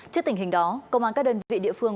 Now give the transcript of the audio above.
trước tình hình đó công an các đơn vị địa phương